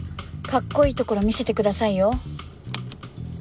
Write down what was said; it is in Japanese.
かっこいいところ見せてくださいよ。